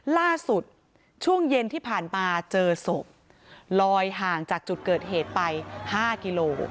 ล่าสุดช่วงเย็นที่ผ่านมาเจอศพลอยห่างจากจุดเกิดเหตุไป๕กิโล